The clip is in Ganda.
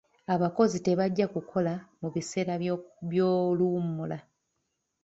Abakozi tebajja kukola mu biseera by'oluwummula.